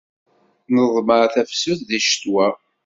Neḍmeɛ tafsut di ccetwa.